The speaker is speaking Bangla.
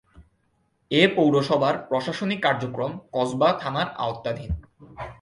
এ পৌরসভার প্রশাসনিক কার্যক্রম কসবা থানার আওতাধীন।